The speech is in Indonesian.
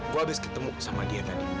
gue habis ketemu sama dia tadi